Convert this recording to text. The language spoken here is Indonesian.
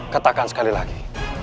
ketakan sekali lagi